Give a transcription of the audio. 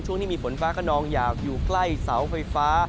ที่มีฝนฟ้าขนองอยากอยู่ใกล้เสาไฟฟ้า